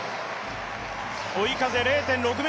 追い風０．６ｍ。